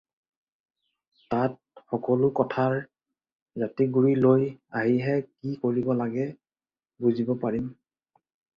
তাত সকলো কথাৰ জাতি গুৰি লৈ আহিহে কি কৰিব লাগে বুজিব পাৰিম।